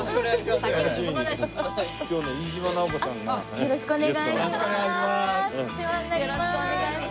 よろしくお願いします。